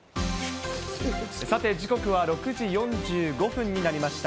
さて、時刻は６時４５分になりました。